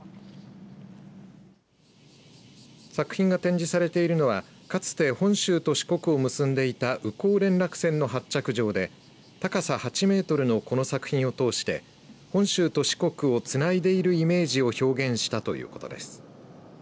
作品が展示されているのはかつて本州と四国を結んでいた宇高連絡船の発着場で高さ８メートルの、この作品を通して本州と四国をつないでいるイメージを表現したということです。